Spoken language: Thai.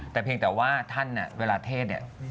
แต่เพียงแต่ว่าเภพท่านเวลาเทศ